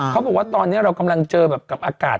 เขาบอกว่าตอนนี้เรากำลังเจอแบบกับอากาศ